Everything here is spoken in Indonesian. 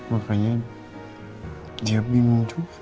makanya dia bingung juga